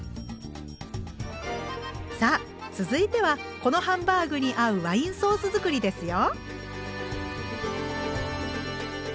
さあ続いてはこのハンバーグに合うワインソース作りですよ。